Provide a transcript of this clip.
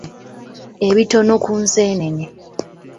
Ebitono ku nseenene.